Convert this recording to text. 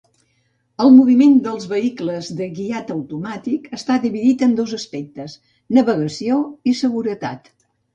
El moviment dels vehicles de guiat automàtic està dividit en dos aspectes: navegació i seguretat.